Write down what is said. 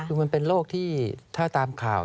คือมันเป็นโรคที่ถ้าตามข่าว